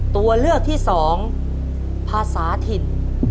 ตัวเลือกที่สองภาษาถิ่น